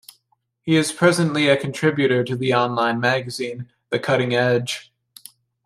He is presently a contributor to the online magazine, The Cutting Edge.